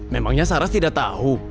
memangnya saras tidak tahu